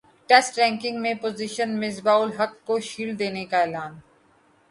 test ranking میں position Misbah ul-Haq کو shield دینے کا اعلان